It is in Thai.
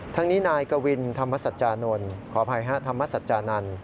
ทั้งนี้นายกวินธรรมสัจจานนท์ขออภัยฮะธรรมสัจจานันต์